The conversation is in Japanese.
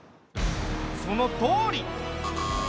そのとおり。